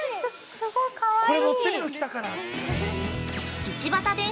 ◆すごいかわいいー。